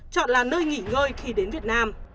chọn là nơi nghỉ ngơi khi đến việt nam